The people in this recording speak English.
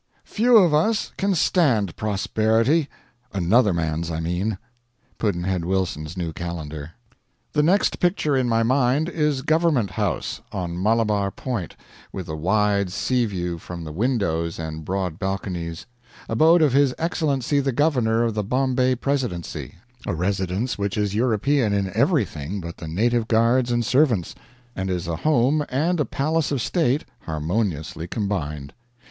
Few of us can stand prosperity. Another man's, I mean. Pudd'nhead Wilson's New Calendar. The next picture in my mind is Government House, on Malabar Point, with the wide sea view from the windows and broad balconies; abode of His Excellency the Governor of the Bombay Presidency a residence which is European in everything but the native guards and servants, and is a home and a palace of state harmoniously combined.